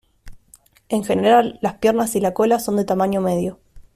En general, las piernas y la cola son de tamaño medio.